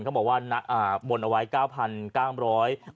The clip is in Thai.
เขาบอกว่าบนเอาไว้๙๙๐๐บาท